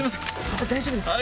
大丈夫ですから。